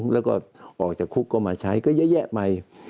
แล้วก็ออกจากคุกเข้ามาใช้ก็เยอะแยะใหม่